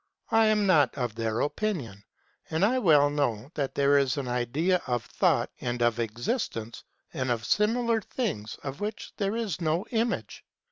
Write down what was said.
I am not of their opinion, and I well know that there is an idea of thought and of existence and of similar things of which there is no image.